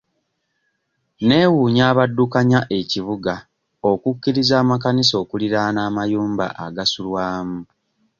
Neewuunya abaddukanya ekibuga okukkiriza amakanisa okuliraana amayumba agasulwamu.